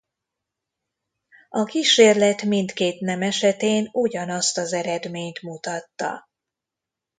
A kísérlet mindkét nem esetén ugyanazt az eredményt mutatta.